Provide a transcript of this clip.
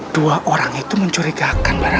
dua orang itu mencurigakan